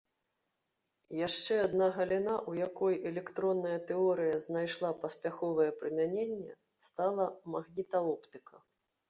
Яшчэ адна галіна, у якой электронная тэорыя знайшла паспяховае прымяненне, стала магнітаоптыка.